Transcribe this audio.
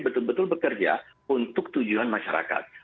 betul betul bekerja untuk tujuan masyarakat